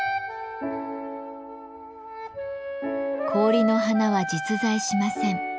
氷の花は実在しません。